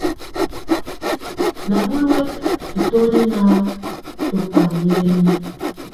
Na buluek itóli na toband ineni.